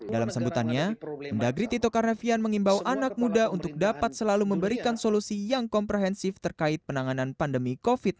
dalam sambutannya mendagri tito karnavian mengimbau anak muda untuk dapat selalu memberikan solusi yang komprehensif terkait penanganan pandemi covid sembilan belas